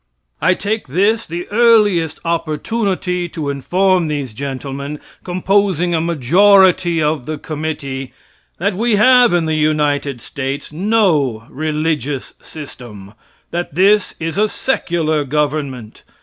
I take this the earliest opportunity to inform these gentlemen composing a majority of the committee that we have in the United States no "religious system;" that this is a secular government.